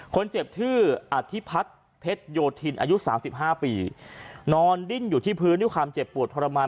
คนเจ็บชื่ออธิพัฒน์เพชรโยธินอายุสามสิบห้าปีนอนดิ้นอยู่ที่พื้นด้วยความเจ็บปวดทรมาน